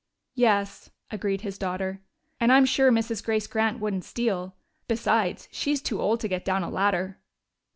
"Yes," agreed his daughter. "And I'm sure Mrs. Grace Grant wouldn't steal. Besides, she's too old to get down a ladder."